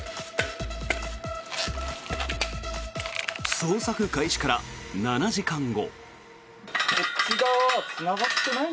捜索開始から７時間後。